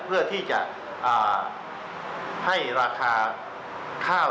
เพื่อที่จะให้ราคาข้าว